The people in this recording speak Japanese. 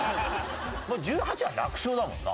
１８は楽勝だもんな。